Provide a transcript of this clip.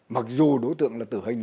mặc dù đối tượng là tử hình